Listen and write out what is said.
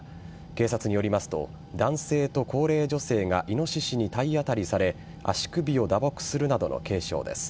警察によりますと男性と高齢女性がイノシシに体当たりされ足首を打撲するなどの軽傷です。